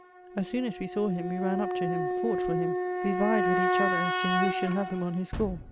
As soon as we saw him, we ran up to him, fought for him: we vied with each other as to who should have him on his score.